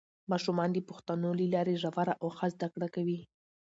ماشومان د پوښتنو له لارې ژوره او ښه زده کړه کوي